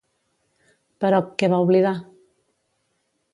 Però, què va oblidar?